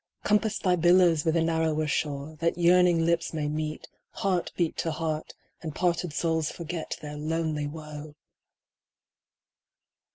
Compass thy billows with a narrower shore, That yearning lips may meet, heart beat to heart, And parted souls forget their lonely woe